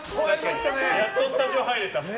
やっとスタジオ入れた。